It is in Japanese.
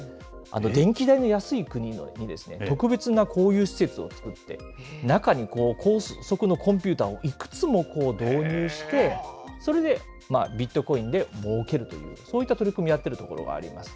電気代の安い国に特別なこういう施設を作って、中に高速のコンピュータをいくつも導入して、それでビットコインでもうけるという、そういった取り組みやってる所があります。